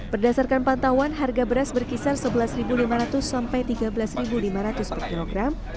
berdasarkan pantauan harga beras berkisar rp sebelas lima ratus sampai rp tiga belas lima ratus per kilogram